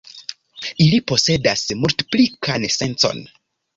Ili posedas multiplikan sencon.